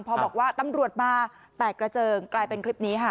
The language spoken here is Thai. พอบอกว่าตำรวจมาแตกกระเจิงกลายเป็นคลิปนี้ค่ะ